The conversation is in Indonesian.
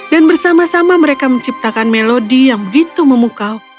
dan bersama sama mereka menciptakan melodi yang begitu memukau